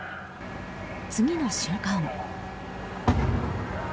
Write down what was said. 次の瞬間。